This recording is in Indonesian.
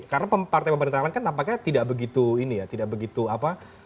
karena partai pemerintah kan tampaknya tidak begitu ini ya tidak begitu apa